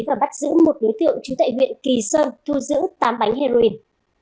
và bắt giữ một đối tượng trú tại huyện kỳ sơn thu giữ tám bánh heroin